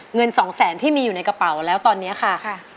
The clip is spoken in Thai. เงิน๒แสนที่มีอยู่ในกระเป๋าแล้วตอนนี้ค่ะ